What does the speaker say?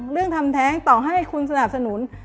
เรื่องทำแท้ต่อให้คุณสนับสนุน